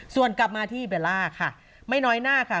ส่วนกลับมาที่เบลล่าค่ะไม่น้อยหน้าค่ะ